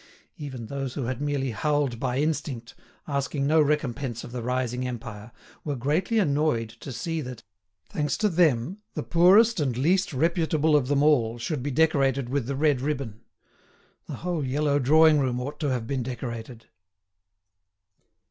Even those who had merely howled by instinct, asking no recompense of the rising Empire, were greatly annoyed to see that, thanks to them, the poorest and least reputable of them all should be decorated with the red ribbon. The whole yellow drawing room ought to have been decorated!